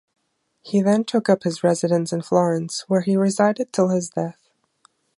He then took up his residence in Florence, where he resided till his death.